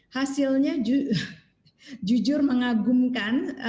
hasilnya jujur mengagumkan